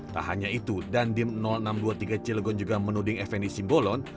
tak hanya itu dandim enam ratus dua puluh tiga cilegon juga menuding fnd simbolon